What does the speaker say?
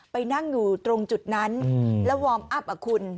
ไปนั่งอยู่ตรงจุดนั้นแล้ววอร์มอัพอ่ะคุณ